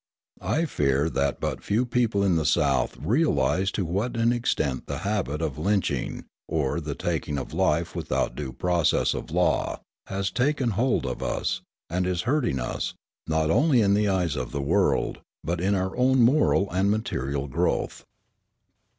I fear that but few people in the South realise to what an extent the habit of lynching, or the taking of life without due process of law, has taken hold of us, and is hurting us, not only in the eyes of the world, but in our own moral and material growth.